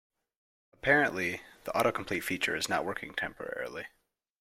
Apparently, the autocomplete feature is not working temporarily.